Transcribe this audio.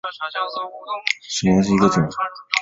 具葶离子芥为十字花科离子芥属下的一个种。